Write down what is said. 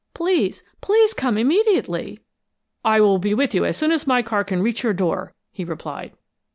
Please, please come immediately!" "I will be with you as soon as my car can reach your door," he replied.